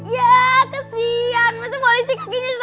ya kesian masa polisi kakinya sakit